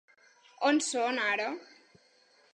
On són ara?